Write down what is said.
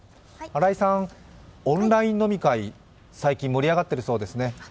新井さん、オンライン飲み会、最近盛り上がっているそうですね。